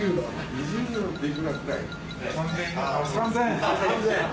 ３０００円。